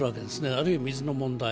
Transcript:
あるいは水の問題。